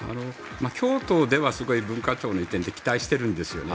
京都ではすごい文化庁の移転って期待してるんですよね。